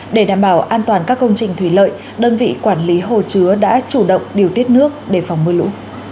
để đảm bảo an toàn các công trình thủy lợi đơn vị quản lý hồ chứa đã chủ động điều tiết nước để phòng mưa lũ